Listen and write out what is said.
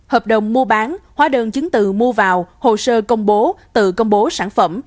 hợp đồng mua bán hóa đơn chứng từ mua vào hồ sơ công bố tự công bố sản phẩm